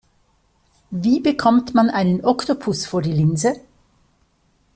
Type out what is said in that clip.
Wie bekommt man einen Oktopus vor die Linse?